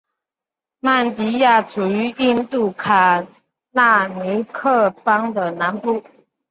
曼迪亚处于印度卡纳塔克邦的南部。